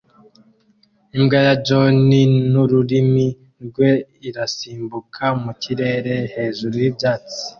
Imbwa ya john n'ururimi rwe irasimbuka mu kirere hejuru y'ibyatsi